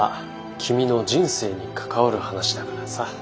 君の人生に関わる話だからさ。